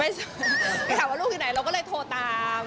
ไปถามว่าลูกอยู่ไหนเราก็เลยโทรตาม